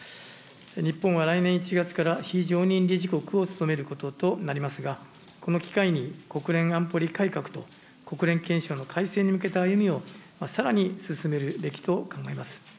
日本は来年１月から非常任理事国を務めることとなりますが、この機会に、国連安保理改革と国連憲章の改正に向けた歩みをさらに進めるべきと考えます。